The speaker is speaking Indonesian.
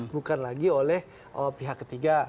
bukan lagi oleh pihak ketiga